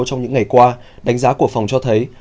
trong những ngày qua đánh giá của phòng cho thấy